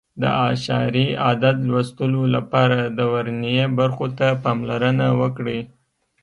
د اعشاري عدد لوستلو لپاره د ورنیې برخو ته پاملرنه وکړئ.